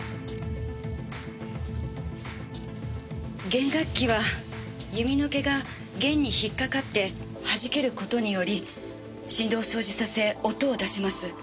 弦楽器は弓の毛が弦に引っ掛かって弾ける事により振動を生じさせ音を出します。